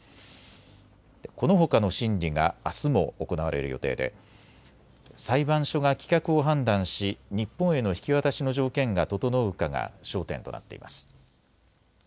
このほかの審理があすも行われる予定で裁判所が棄却を判断し日本への引き渡しの条件が整うかが焦点となっています。